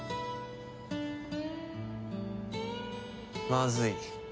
まずい。